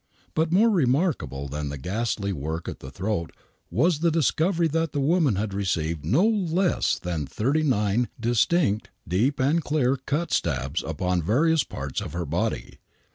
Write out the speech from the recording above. But more remarkable than the ghastly work at the throat was the discovery that the woman had received no less than thirty nine distinct deep and clear cut stabs upon various parts of her body.